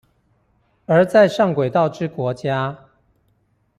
而在上軌道之國家